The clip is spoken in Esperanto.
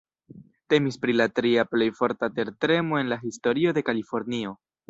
Temis pri la tria plej forta tertremo en la historio de Kalifornio.